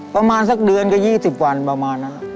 ประมาณสักเดือนก็๒๐วันประมาณนั้น